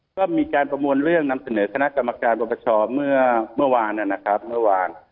ก็มีการประมวลเรื่องนำเสนอคณะกรรมการประประชาเมื่อวานนะครับเมื่อวาน